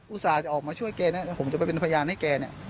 อุตส่าห์จะออกมาช่วยแกนะแล้วผมจะไปเป็นพยานให้แกเนี่ย